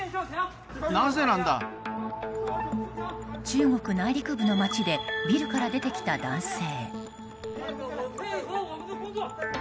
中国内陸部の町でビルから出てきた男性。